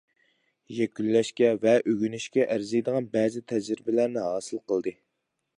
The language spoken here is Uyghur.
يەكۈنلەشكە ۋە ئۆگىنىشكە ئەرزىيدىغان بەزى تەجرىبىلەرنى ھاسىل قىلدى.